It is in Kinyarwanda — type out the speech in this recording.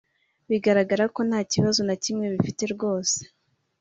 bigaragara ko ntakibazo nakimwe bifitiye rwose,